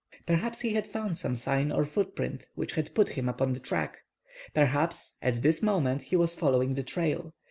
Perhaps he had found some sign or footprint which had put him upon the track. Perhaps, at this moment he was following the trail.